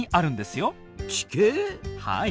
はい。